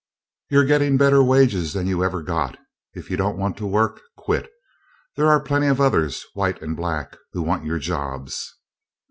You're getting better wages than you ever got. If you don't want to work, quit. There are plenty of others, white and black, who want your jobs."